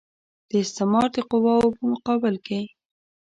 د استعمار د قواوو په مقابل کې.